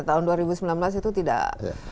tahun dua ribu sembilan belas itu tidak